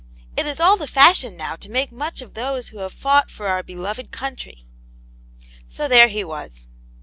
It is all the fashion now to make much of those who have fought for our beloved country." So there he was.